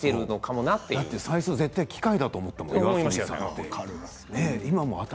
だって最初絶対に機械だと思ったもん